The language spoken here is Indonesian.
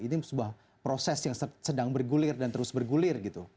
ini sebuah proses yang sedang bergulir dan terus bergulir gitu